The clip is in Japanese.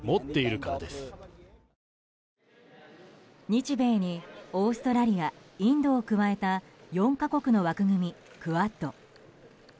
日米にオーストラリアインドを加えた４か国の枠組みクアッド。